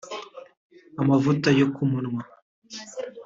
amavuta yo ku munwa